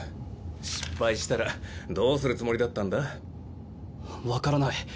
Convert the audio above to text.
失敗したらどうするつもりだったんだ？分からない。